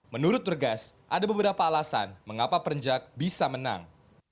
menurut bergas ada beberapa alasan mengapa perenjak bisa menang